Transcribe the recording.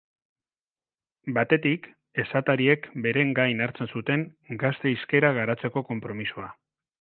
Batetik, esatariek beren gain hartzen zuten gazte hizkera garatzeko konpromisoa.